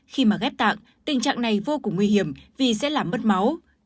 khi mà ghép tạng tình trạng này vô cùng nguy hiểm vì sẽ làm mất máu